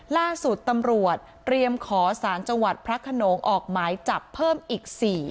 ล่าสุดตำรวจเตรียมขอสารจังหวัดพระขนงออกหมายจับเพิ่มอีก๔